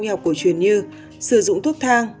nghi học cổ truyền như sử dụng thuốc thang